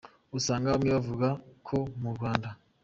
Usanga bamwe bavuga ko mu Rwanda.